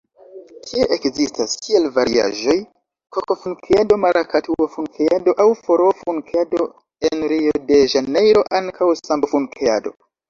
Tie ekzistas kiel variaĵoj "koko-funkeado", "marakatuo-funkeado" aŭ "foroo-funkeado", en Rio-de-Ĵanejro ankaŭ "sambo-funkeado".